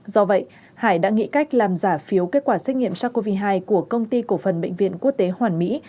do vậy hải đã nghĩ cách làm giả phiếu kết quả xét nghiệm sars cov hai của công ty cổ phần bệnh viện quốc tế hoàn mỹ